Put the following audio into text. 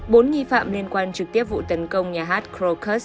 bốn nghi phạm liên quan trực tiếp vụ tấn công nhà hát krokus